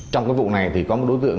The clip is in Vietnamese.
trong cái vụ này thì có một đối tượng